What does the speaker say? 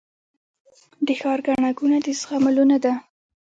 د ښار ګڼه ګوڼه د زغملو نه ده